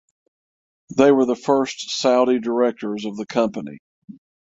They were the first Saudi directors of the company.